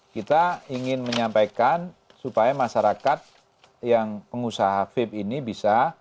kita ingin menyampaikan supaya masyarakat yang pengusaha vape ini bisa